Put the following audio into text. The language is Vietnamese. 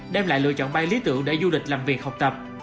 đem lại lựa chọn bay lý tưởng để du lịch làm việc học tập